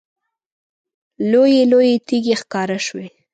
لویې لویې تیږې ښکاره شوې.